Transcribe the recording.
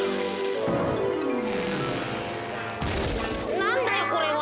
なんだよこれは。